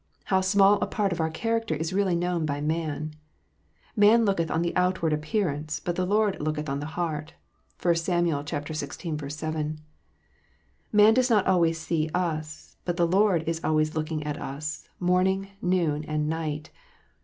How small a part of our character is really known by man ! "Man looketh on the outward appear ance, but the Lord looketh on the heart." (1 Sam. xvi. 7.) Man does not always see us, but the Lord is always looking at us, morning, noon, and night.